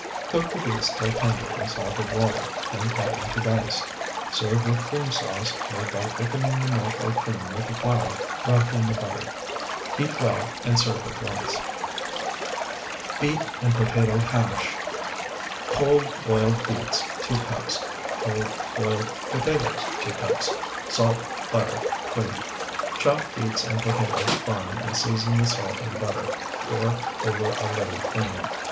Cook the beets till tender in salted water, then cut into dice. Serve with cream sauce, made by thickening the milk or cream with the flour rubbed in the butter. Heat well, and serve at once. BEET AND POTATO HASH Cold, boiled beets, 2 cups. Cold, boiled potatoes, 2 cups. Salt. Butter. Cream. Chop beets and potatoes fine and season with salt and butter. Pour over a little cream.